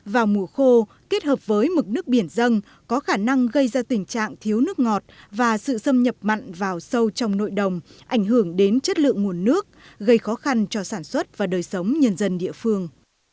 vào mùa khô kết hợp với mực nước biển dân có khả năng gây ra tình trạng thiếu nước ngọt và sự xâm nhập mặn vào sâu trong nội đồng ảnh hưởng đến chất lượng nguồn nước gây khó khăn cho sản xuất và đời sống nhân dân địa phương